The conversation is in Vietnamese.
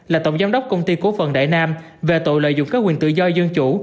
là tổng giám đốc công ty cố phần đại nam về tội lợi dụng các quyền tự do dân chủ